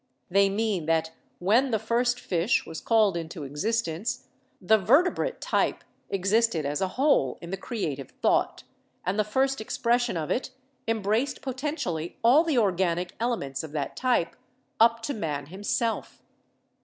They mean that when the first Fish was called into existence, the Vertebrate type existed as a whole in the creative thought, and the first expression of it embraced poten tially all the organic elements of that type, up to Man himself.